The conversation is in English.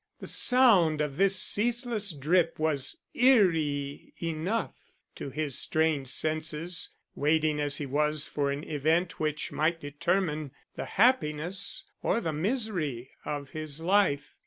The sound of this ceaseless drip was eerie enough to his strained senses, waiting as he was for an event which might determine the happiness or the misery of his life.